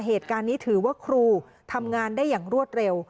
เหตุการณ์นี้ถือว่าครูทำงานได้อย่างรวดเร็ว